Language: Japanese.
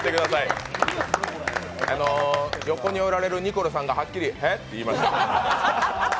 横におられるニコルさんがはっきり「へっ！？」って言いました